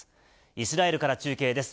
イスラエルから中継です。